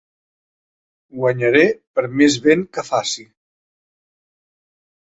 Guanyaré per més vent que faci.